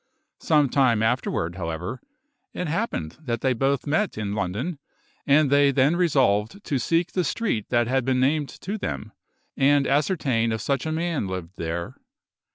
Some time afterward, however, it happened that they both met in London, and they then resolved to seek the street that had been named to them, and ascertain if such a man lived there.